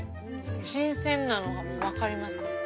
新鮮なのがもう分かります。